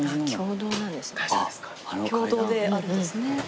共同なんですね。